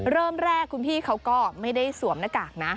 เริ่มแรกคุณพี่เขาก็ไม่ได้สวมหน้ากากนะ